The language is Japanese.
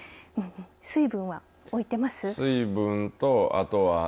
水分は置いてます。